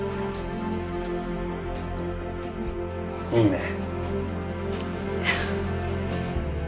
いいね。